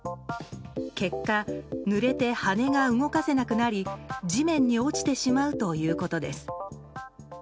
結果、ぬれて羽が動かせなくなり地面に落ちてしまうということです。